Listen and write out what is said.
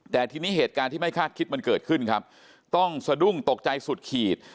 แต่ทีนี้เหตุการณ์ที่ไม่คาดคิดมันเกิดขึ้นครับต้องสะดุ้งตกใจสุดขีด